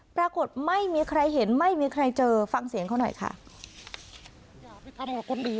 ปรากฏไม่มีใครเห็นไม่มีใครเจอฟังเสียงเขาหน่อยค่ะ